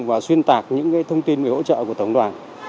và xuyên tạc những thông tin về hỗ trợ của tổng đoàn